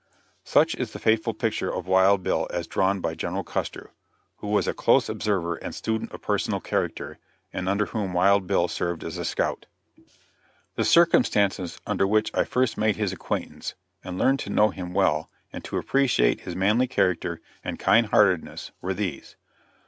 ] Such is the faithful picture of Wild Bill as drawn by General Custer, who was a close observer and student of personal character, and under whom Wild Bill served as a scout. The circumstances under which I first made his acquaintance and learned to know him well and to appreciate his manly character and kind heartedness, were these.